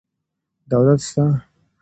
دولت سته.